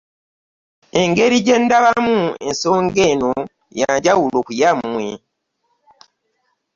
Engeri gye ndabamu ensonga eno ya njawulo ku yammwe.